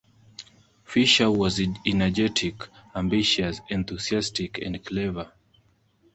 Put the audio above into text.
Fisher was energetic, ambitious, enthusiastic and clever.